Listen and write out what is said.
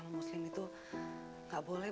untuk mereka mulai